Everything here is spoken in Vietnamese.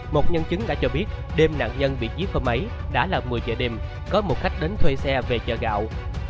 một nhân chứng đã cho biết đêm nạn nhân bị giết phơ máy đã là một mươi giờ đêm có một khách đến thuê xe về chợ gạo